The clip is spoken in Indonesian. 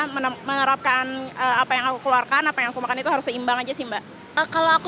menerapkan apa yang aku keluarkan apa yang aku makan itu harus seimbang aja sih mbak kalau aku